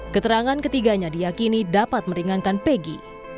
keterangan ketiganya diakini dapat meringankan pegi